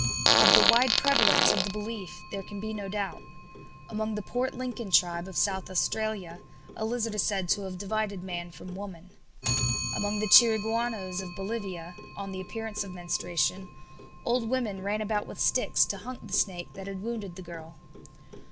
Of the wide prevalence of the belief there can be no doubt. Among the Port Lincoln tribe of South Australia a lizard is said to have divided man from woman. Among the Chiriguanos of Bolivia, on the appearance of menstruation, old women ran about with sticks to hunt the snake that had wounded the girl.